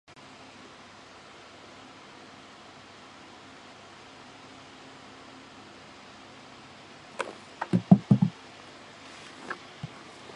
达朗贝尔算子则推广为伪黎曼流形上的双曲型算子。